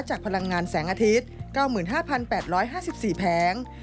พลังงานแสงอาทิตย์๙๕๘๕๔แผง